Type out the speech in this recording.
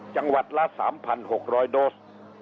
จังหวัดละ๓๖๐๐โดส